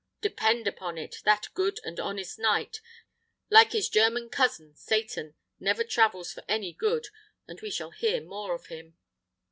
Depend upon it that good and honest knight, like his german cousin, Satan, never travels for any good, and we shall hear more of him."